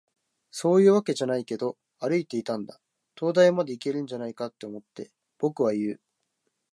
「そういうわけじゃないけど、歩いていたんだ。灯台までいけるんじゃないかって思って。」、僕は言う。